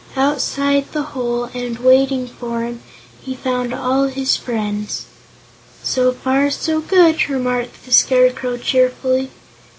Outside the hole, and waiting for him, he found all his friends. "So far, so good!" remarked the Scarecrow cheerfully.